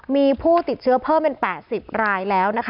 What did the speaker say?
มีผู้ติดเชื้อเพิ่มเป็น๘๐รายแล้วนะคะ